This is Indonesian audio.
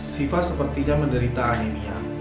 sifah sepertinya menderita anemia